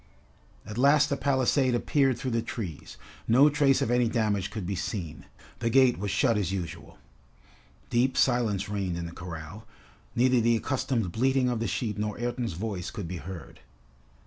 At last the palisade appeared through the trees. No trace of any damage could be seen. The gate was shut as usual. Deep silence reigned in the corral. Neither the accustomed bleating of the sheep nor Ayrton's voice could be heard.